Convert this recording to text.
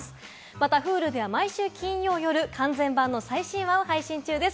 またＨｕｌｕでは毎週金曜夜、完全版の最新話を配信中です。